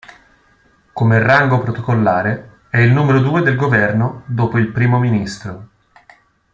Come rango protocollare, è il numero due del governo dopo il Primo ministro.